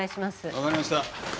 わかりました。